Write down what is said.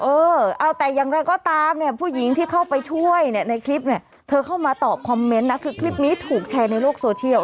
เออะเอาแต่หยังไปก็ตามผู้หญิงเข้าไปช่วยในคลิปเธอเข้ามาตอบคอมเมนต์นะคือกลิปมีถูกแชร์ในโลกโซเชล